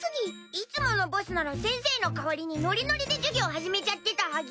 いつものボスなら先生の代わりにノリノリで授業始めちゃってたはぎ。